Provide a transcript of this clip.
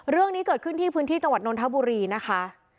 เรื่องนี้เกิดขึ้นที่พื้นที่จังหวัดนนทบุรีนะคะ